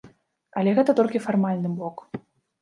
Але гэта толькі фармальны бок.